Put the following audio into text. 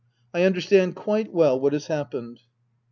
I under stand quite weU what has happened.